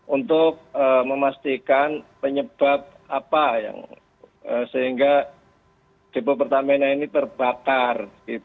untuk memastikan penyebab apa yang sehingga depo pertamina ini terbakar